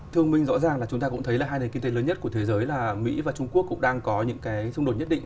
thương minh rõ ràng là chúng ta cũng thấy là hai nền kinh tế lớn nhất của thế giới là mỹ và trung quốc cũng đang có những cái xung đột nhất định